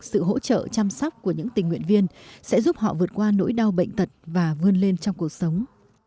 sự hỗ trợ chăm sóc của những tình nguyện viên sẽ giúp họ vượt qua nỗi đau bệnh tật và vươn lên trong cuộc sống